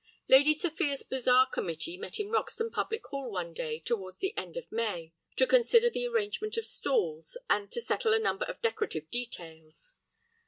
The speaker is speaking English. Lady Sophia's Bazaar Committee met in Roxton public hall one day towards the end of May, to consider the arrangement of stalls, and to settle a number of decorative details.